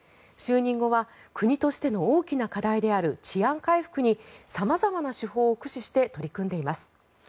就任後は国としての大きな課題である治安回復に様々な手法を駆使して取り組んでいます。